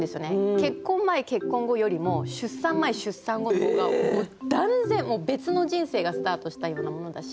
結婚前結婚後よりも出産前出産後の方がもう断然もう別の人生がスタートしたようなものだし。